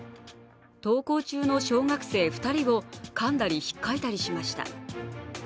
登校中の小学生２人をかんだり、引っかいたりしました。